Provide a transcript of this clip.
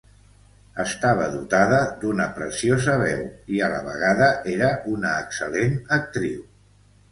Estava dotada d'una preciosa veu i a la vegada era una excel·lent actriu.